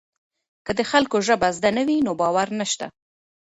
که د خلکو ژبه زده نه وي نو باور نشته.